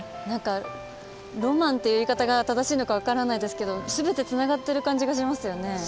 なんかロマンっていう言い方が正しいのか分からないですけど全てつながってる感じがしますよね。